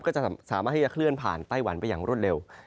ก็จะสามารถที่จะเคลื่อนผ่านไต้หวันไปอย่างรวดเร็ว